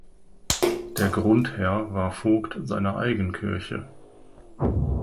Der Grundherr war Vogt seiner Eigenkirche.